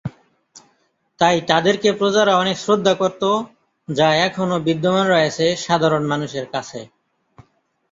তাই তাদেরকে প্রজারা অনেক শ্রদ্ধা করত, যা এখনো বিদ্যমান রয়েছে সাধারণ মানুষের কাছে।